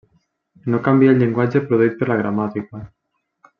No canvia el llenguatge produït per la gramàtica.